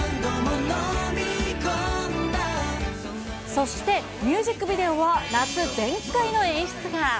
そして、ミュージックビデオは夏全開の演出が。